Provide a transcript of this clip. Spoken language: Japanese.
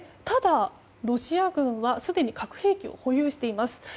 ただ、ロシア軍はすでに核兵器を保有しています。